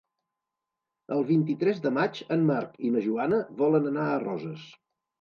El vint-i-tres de maig en Marc i na Joana volen anar a Roses.